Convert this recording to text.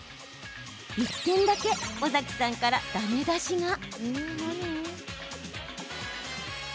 １点だけ尾崎さんからだめ出しが。